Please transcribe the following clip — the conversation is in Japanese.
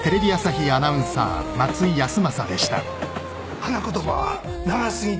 花言葉は「長すぎた春」！